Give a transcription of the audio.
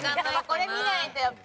これ見ないとやっぱ。